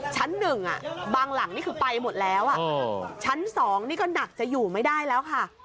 ชั้น๑บางหลังนี่คือไปหมดแล้วชั้น๒นี่ก็หนักจะอยู่ไม่ได้แล้วค่ะ